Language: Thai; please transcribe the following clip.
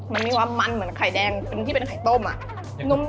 มันมีความมันเหมือนไข่แดงที่เป็นไข่ต้มอะ